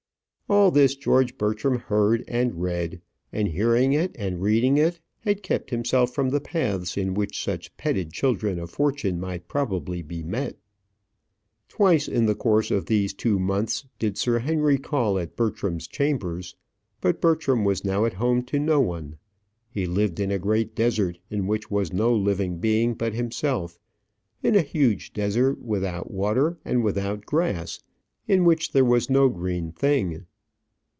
All this George Bertram heard and read, and hearing it and reading it had kept himself from the paths in which such petted children of fortune might probably be met. Twice in the course of these two months did Sir Henry call at Bertram's chambers; but Bertram was now at home to no one. He lived in a great desert, in which was no living being but himself in a huge desert without water and without grass, in which there was no green thing.